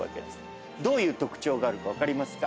どういう特徴があるか分かりますか？